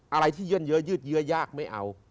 อะไรที่เยื่อนเยอะยืดเยื้อยากไม่เอา